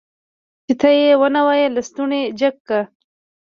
چې ته يې ونه وايي لستوڼی جګ که.